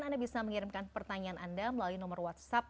anda bisa mengirimkan pertanyaan anda melalui nomor whatsapp